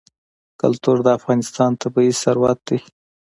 کلتور د افغانستان طبعي ثروت دی.